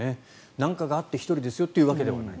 何かがあって１人ですよというわけではない。